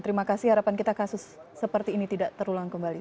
terima kasih harapan kita kasus seperti ini tidak terulang kembali